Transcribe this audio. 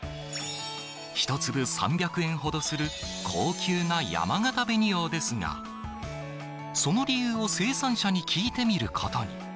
１粒３００円ほどする高級なやまがた紅王ですが、その理由を生産者に聞いてみることに。